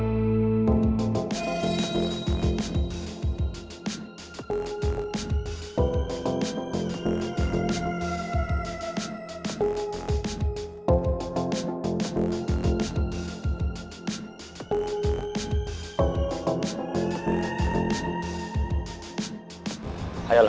lo berubah yaudah